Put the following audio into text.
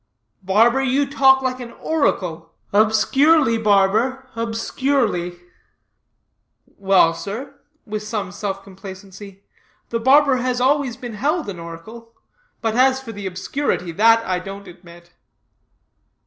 "Barber, you talk like an oracle obscurely, barber, obscurely." "Well, sir," with some self complacency, "the barber has always been held an oracle, but as for the obscurity, that I don't admit."